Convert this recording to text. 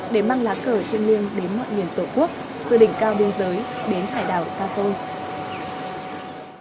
để mang lá cờ thiên liêng đến mọi miền tổ quốc từ đỉnh cao biên giới đến hải đảo xa xôi